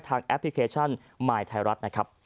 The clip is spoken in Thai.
ทางแอปพลิเคชันหมายไทยรัฐ